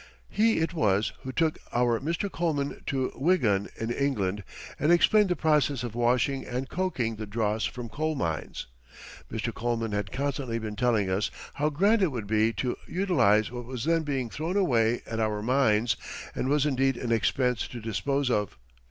He it was who took our Mr. Coleman to Wigan in England and explained the process of washing and coking the dross from coal mines. Mr. Coleman had constantly been telling us how grand it would be to utilize what was then being thrown away at our mines, and was indeed an expense to dispose of.